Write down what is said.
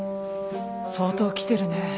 相当来てるね。